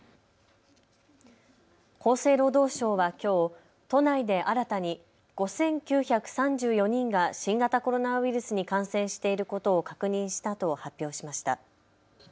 厚生労働省はきょう都内で新たに５９３４人が新型コロナウイルスに感染していることを確認したと発表しました。